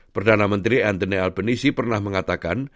perdana menteri anthony alpenisi pernah mengatakan